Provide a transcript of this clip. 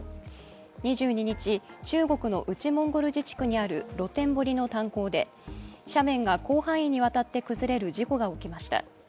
２２日、中国の内モンゴル自治区にある露天掘りの炭鉱で斜面が広範囲にわたって崩れる事故が起きました。